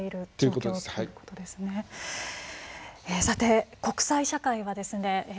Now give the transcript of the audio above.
さて国際社会はですね